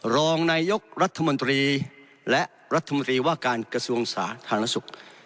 รองนายกรัฐมนตรีและรัฐมนตรีว่าการกระทรวงสาธารณสุข